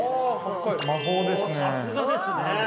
◆さすがですね。